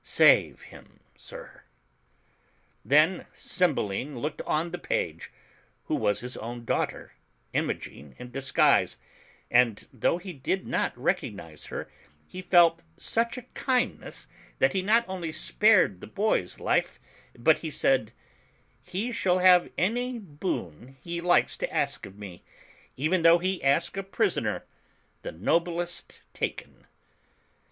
Save him, sir." Then Cymbeline looked on the page, who was his own daugh ter, Imogen, in disguise, and though he did not recognize her, he felt such a kindness that he not only spared the boy's life, but he said — "He shall have any boon he likes to ask of me, even though he ask a prisoner, the noblest taken."